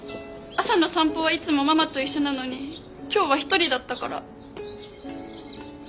朝の散歩はいつもママと一緒なのに今日は１人だったから。